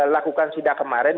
lakukan sidak kemarin